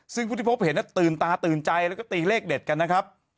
ซึ่งผู้ที่พบเห็นตื่นตาตื่นใจแล้วก็ตีเลขเด็ดกันนะครับ